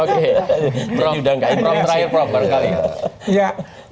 jadi ini sudah gak intresif